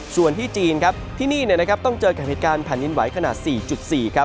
ส่วนจีนที่นี่ต้องเจอกับเหตุการณ์แผ่นดินไหวขณะ๔๔